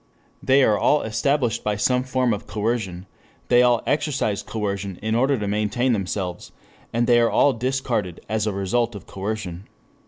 They are all established by some form of coercion, they all exercise coercion in order to maintain themselves, and they are all discarded as a result of coercion.